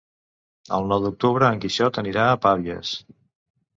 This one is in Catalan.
El nou d'octubre en Quixot anirà a Pavies.